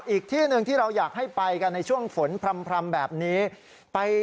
อีกที่หนึ่งที่เราอยากให้ไปกันในช่วงฝนพร่ำแบบนี้